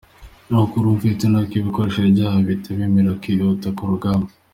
Amakuru mfite ni uko ibikoresho byabo bitabemerera kwihuta ku rugamba.